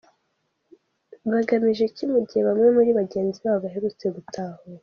Bagamije iki, mu gihe bamwe muri bagenzi babo baherutse gutahuka?